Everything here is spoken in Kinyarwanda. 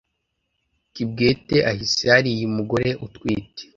Kibwete ahise hariya-Umugore utwite.